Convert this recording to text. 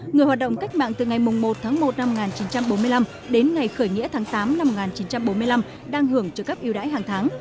người hoạt động cách mạng từ ngày một tháng một năm một nghìn chín trăm bốn mươi năm đến ngày khởi nghĩa tháng tám năm một nghìn chín trăm bốn mươi năm đang hưởng trợ cấp yêu đãi hàng tháng